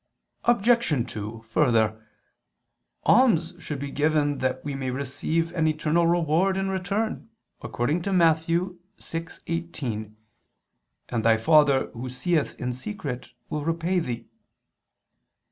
Obj. 2: Further, alms should be given that we may receive an eternal reward in return, according to Matt. 6:18: "And thy Father Who seeth in secret, will repay thee."